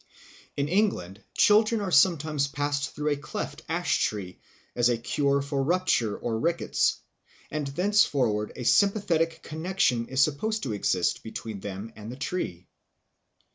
In England children are sometimes passed through a cleft ash tree as a cure for rupture or rickets, and thenceforward a sympathetic connexion is supposed to exist between them and the tree.